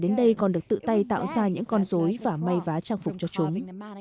họ còn được tự tay tạo ra những con dối và mây vá trang phục cho chúng